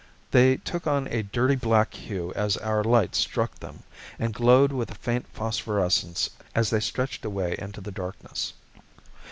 They took on a dirty black hue as our light struck them, and glowed with a faint phosphorescence as they stretched away into the darkness.